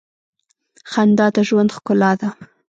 خندا د ژوند ښکلا ده.